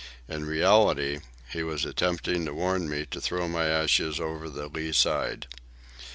In reality, he was attempting to warn me to throw my ashes over the lee side.